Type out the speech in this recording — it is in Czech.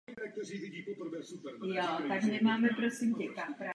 Pravda to ale není.